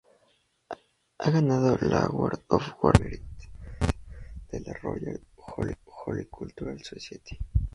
Ha ganado la Award of Garden Merit de la Royal Horticultural Society.